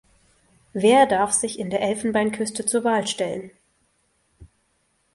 Wer darf sich in der Elfenbeinküste zur Wahl stellen?